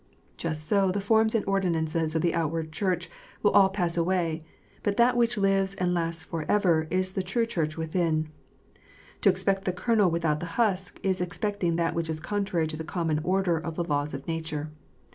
Just so the forms and ordinances of the outward Church will all pass away, but that which lives and lasts for ever is the true Church within. To expect the kernel without the husk, is expecting that which is contrary to the common order of the laws of nature.